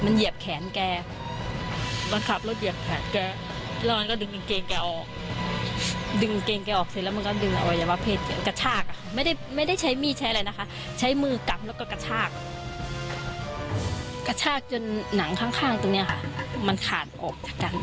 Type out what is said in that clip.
ตอนนี้เป็นแผลชะกันมาก